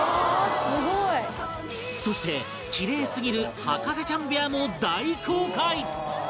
そしてキレイすぎる博士ちゃん部屋も大公開！